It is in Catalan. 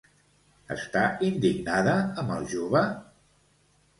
Està indignada amb el jove?